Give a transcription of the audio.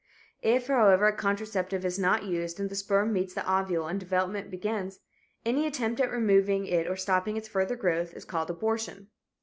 If, however, a contraceptive is not used and the sperm meets the ovule and development begins, any attempt at removing it or stopping its further growth is called abortion.